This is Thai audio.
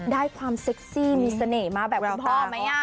ได้ความเซ็กซี่มีเสน่ห์มาแบบคุณพ่อไหม